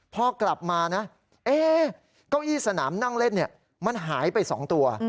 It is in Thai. พอกลับมานะเก้าอี้สนามนั่งเล่นมันหายไป๒ตัว